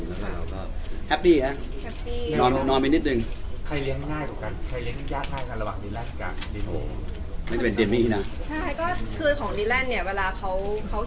แล้วก็แฮปปี้ครับ